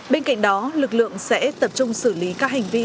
bên cạnh đó lực lượng sẽ tập trung xử lý các hành vi